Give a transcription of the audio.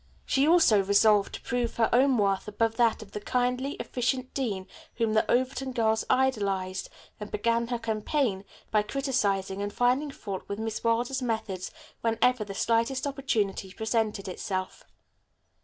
She also resolved to prove her own worth above that of the kindly, efficient dean whom the Overton girls idolized, and began her campaign by criticizing and finding fault with Miss Wilder's methods whenever the slightest opportunity presented itself.